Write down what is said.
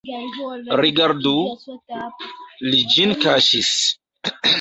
Rigardu, li ĝin kaŝis!